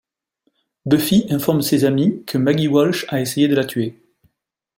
Buffy informe ses amis que Maggie Walsh a essayé de la tuer.